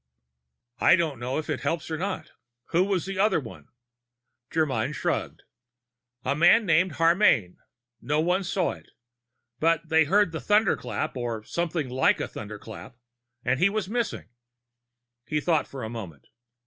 "I don't know if it helps or not. Who was the other one?" Germyn shrugged. "A man named Harmane. No one saw it. But they heard the thunderclap, or something like a thunderclap, and he was missing." He thought for a moment.